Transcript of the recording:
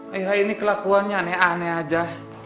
akhirnya ini kelakuannya aneh aneh aja